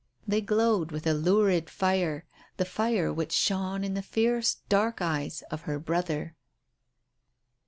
They glowed with a lurid fire, the fire which shone in the fierce, dark eyes of her brother.